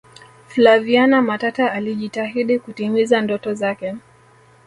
flaviana matata alijitahidi kutimiza ndoto zake